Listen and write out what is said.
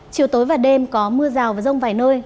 chiều tối và đêm có mưa rào và rông vài nơi